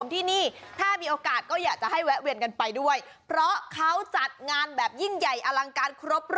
ที่นี่ถ้ามีโอกาสก็อยากจะให้แวะเวียนกันไปด้วยเพราะเขาจัดงานแบบยิ่งใหญ่อลังการครบรอบ